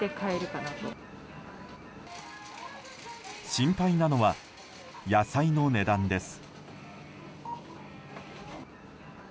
心配なのは、野菜の値段です。